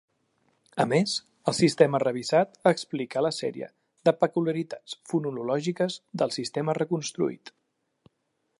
A més, el sistema revisat explica la sèrie de peculiaritats fonològiques del sistema reconstruït.